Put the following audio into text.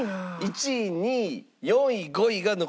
１位２位４位５位が残りました。